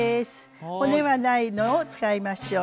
骨はないのを使いましょう。